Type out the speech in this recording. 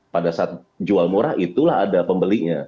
pada saat jual murah itulah ada pembelinya